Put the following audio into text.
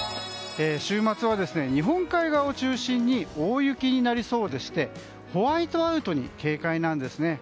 週末は日本海側を中心に大雪になりそうでしてホワイトアウトに警戒なんです。